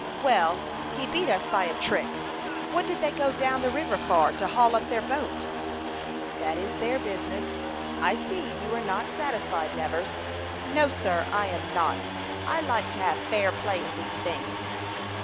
"Well, he beat us by a trick. What did they go down the river for to haul up their boat?" "That is their business. I see you are not satisfied, Nevers." "No, sir, I am not. I like to have fair play in these things."